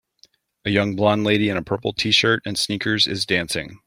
A young blond lady in a purple tshirt and sneakers is dancing.